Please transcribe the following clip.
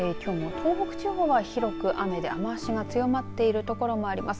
きょうも東北地方は広く雨で雨足が強まっているところもあります。